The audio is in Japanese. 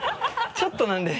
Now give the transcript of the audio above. ちょっとなんで。